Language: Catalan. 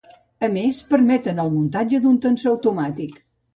A més, permeten el muntatge d'un tensor automàtic.